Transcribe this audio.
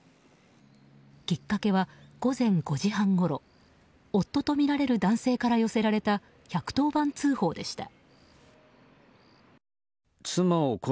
きっかけは、午前５時半ごろ夫とみられる男性から寄せられた１１０番通報でした。